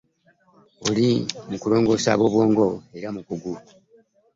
Oli mulongoosa w'abwongo era mukugu .